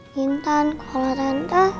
gintan kalau tante